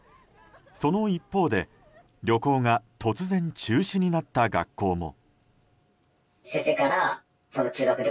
その一方で旅行が突然、中止になった学校も。